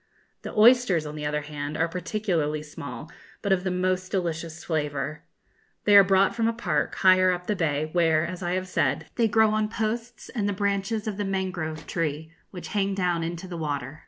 The oysters, on the other hand, are particularly small, but of the most delicious flavour. They are brought from a park, higher up the bay, where, as I have said, they grow on posts and the branches of the mangrove tree, which hang down into the water.